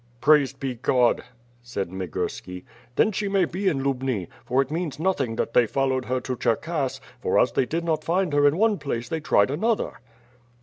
"Praised be God!" said Migurski. "Then she may be in Lubni, for it means nothing that they followed her to Gher kass; for as they did not find her in one place they tried another."